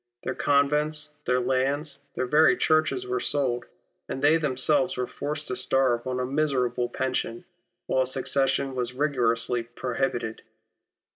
Their convents, their land, their very churches were sold, and they themselves were forced to starve on a miserable pension, while a succession was rigorously prohibited.